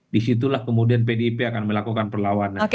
disitulah kemudian pdip akan melakukan perlawanan